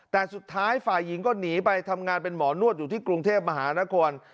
แต่สุดท้ายฝ่ายหญิงก็หนีไปทำงานเป็นหมอนวดอยู่ที่กรุงเทพมหานคร